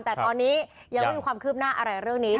แต่ตอนนี้ยังไม่มีความคืบหน้าอะไรเรื่องนี้